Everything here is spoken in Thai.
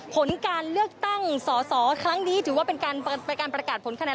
ผลการเลือกตั้งสอสอครั้งนี้ถือว่าเป็นการประกาศผลคะแนน